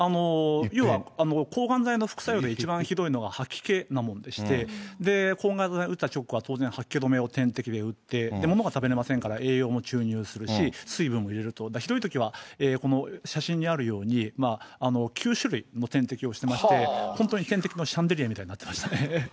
要は抗がん剤の副作用で一番ひどいのは、吐き気なもんでして、抗がん剤打った直後は当然、吐き気止めを点滴で売って、ものが食べれませんから、栄養も注入するし、水分も入れると、ひどいときは、この写真にあるように、９種類の点滴をしてまして、本当に点滴のシャンデリアみたいになってましたね。